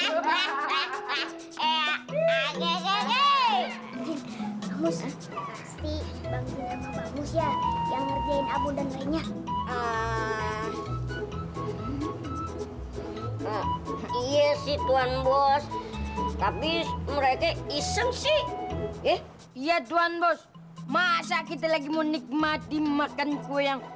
iya sih tuan bos tapi mereka iseng sih ih iya tuan bos masa kita lagi menikmati makan kue yang